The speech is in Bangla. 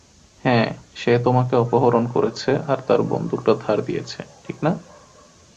হ্যাঁ, সে তোমাকে অপহরণ করেছে আর তার বন্দুকটা ধার দিয়েছে, ঠিক না?